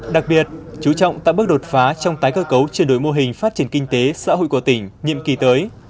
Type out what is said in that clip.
đặc biệt chú trọng tạo bước đột phá trong tái cơ cấu chuyển đổi mô hình phát triển kinh tế xã hội của tỉnh nhiệm kỳ tới